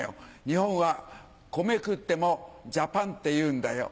日本は米食ってもジャパンっていうんだよ。